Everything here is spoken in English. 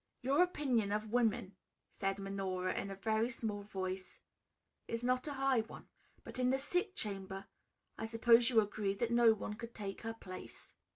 "Your opinion of woman," said Minora in a very small voice, "is not a high one. But, in the sick chamber, I suppose you agree that no one could take her place?"